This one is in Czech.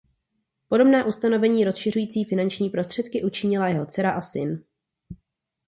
Podobná ustanovení rozšiřující finanční prostředky učinila jeho dcera a syn.